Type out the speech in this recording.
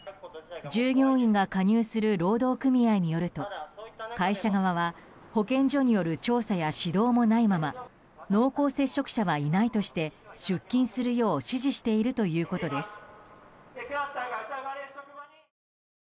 従業員が加入する労働組合によると会社側は保健所による調査や指導もないまま濃厚接触者はいないとして出勤するよう指示しているということです。